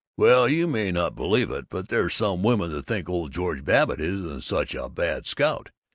Well, you may not believe it, but there's some women that think old George Babbitt isn't such a bad scout!